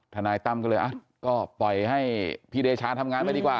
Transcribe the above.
ทนายตั้มก็เลยก็ปล่อยให้พี่เดชาทำงานไปดีกว่า